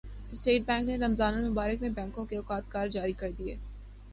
state bank نے رمضان المبارک میں بینکوں کے اوقات کار جاری کردیے